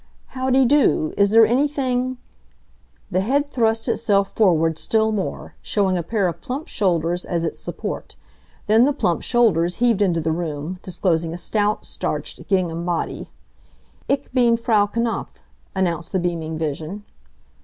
"Howdy do! Is there anything " The head thrust itself forward still more, showing a pair of plump shoulders as its support. Then the plump shoulders heaved into the room, disclosing a stout, starched gingham body. "Ich bin Frau Knapf," announced the beaming vision.